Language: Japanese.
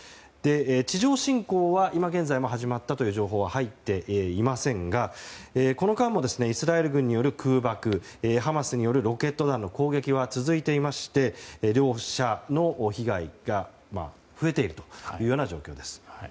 地上侵攻は今現在も始まったという情報は入っていませんがこの間も、イスラエル軍による空爆やハマスによるロケット弾の攻撃は続いていまして両者の被害が増えている状況です。